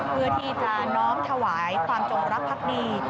เพื่อที่จะน้อมถวายความจงรักภักดี